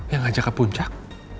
yang ngajak ke puncak